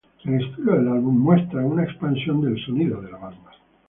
El estilo del álbum ve una expansión del sonido de la banda.